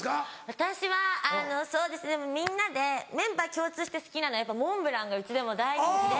私はそうですねでもみんなでメンバー共通して好きなのはモンブランがうちでも大人気で。